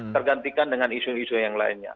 tergantikan dengan isu isu yang lainnya